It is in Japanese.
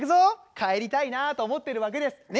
帰りたいなと思ってるわけですね。